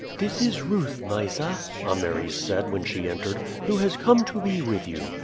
"This is Ruth, Mysa," Ameres said when she entered, "who has come to be with you.